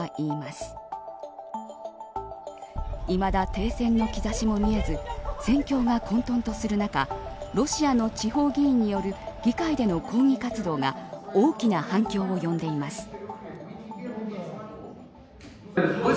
いまだ停戦の兆しも見えず戦況が混沌とする中ロシアの地方議員による議会での抗議活動が大きな反響を呼んでいます。